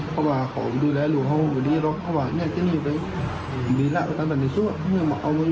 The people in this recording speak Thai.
ค่ะคือ